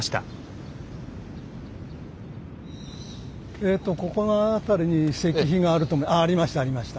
えとここの辺りに石碑があるとありましたありました。